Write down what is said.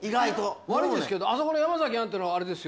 悪いですけどあそこの山崎杏ってのはあれですよ。